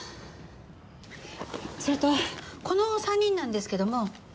それとこの３人なんですけども。